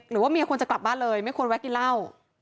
หรือว่าเมียควรจะกลับบ้านเลยไม่ควรแวะกินเหล้า